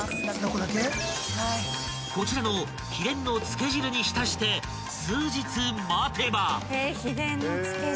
［こちらの秘伝のつけ汁に浸して数日待てば］